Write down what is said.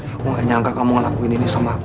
aku gak nyangka kamu ngelakuin ini sama aku